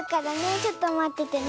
ちょっとまっててね。